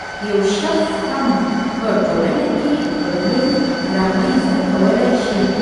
یو شخص هم په ټولنه کې بدلون رامنځته کولای شي.